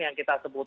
yang kita sebut